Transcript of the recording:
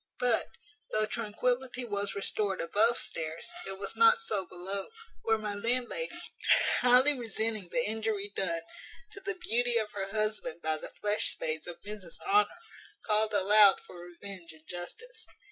But, though tranquillity was restored above stairs, it was not so below; where my landlady, highly resenting the injury done to the beauty of her husband by the flesh spades of Mrs Honour, called aloud for revenge and justice.